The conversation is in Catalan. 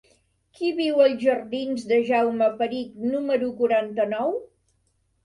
Qui viu als jardins de Jaume Perich número quaranta-nou?